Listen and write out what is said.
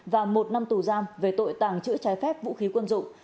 và một năm tù giam về tội tăng phép chất ma túy